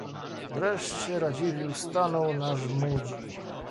"Wreszcie Radziwiłł stanął na Żmudzi."